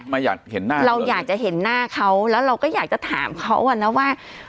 ไม่อยากเห็นหน้าเราอยากจะเห็นหน้าเขาแล้วเราก็อยากจะถามเขาอ่ะนะว่า